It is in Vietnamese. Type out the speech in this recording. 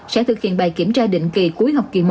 sẽ thực hiện bài kiểm tra định kỳ cuối học kỳ một